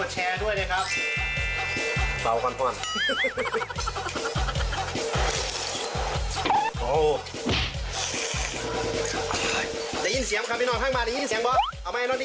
โอ้โฮ